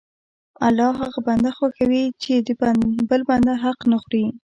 الله هغه بنده خوښوي چې د بل بنده حق نه خوري.